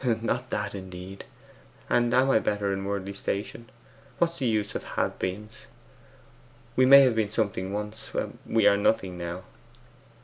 'Not that, indeed! And am I better in worldly station? What's the use of have beens? We may have been something once; we are nothing now.